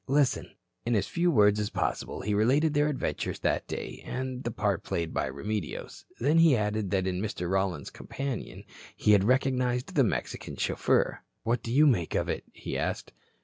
Listen." In as few words as possible he related their adventures that day and the part played by Remedios. Then he added that in Mr. Rollins's companion he had recognized the Mexican chauffeur. "What do you make of it?" he asked.